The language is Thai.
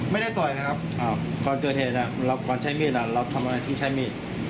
ต่อยนะครับก่อนเกิดเหตุก่อนใช้มีดเราทำอะไรที่ใช้มีด